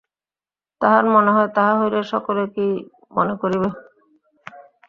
তাঁহার মনে হয়, তাহা হইলে সকলে কী মনে করিবে।